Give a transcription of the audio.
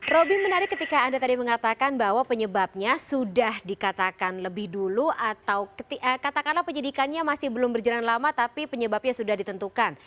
robby menarik ketika anda tadi mengatakan bahwa penyebabnya sudah dikatakan lebih dulu atau katakanlah penyidikannya masih belum berjalan lama tapi penyebabnya sudah ditentukan